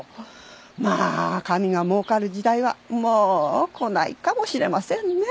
まあ紙がもうかる時代はもう来ないかもしれませんね。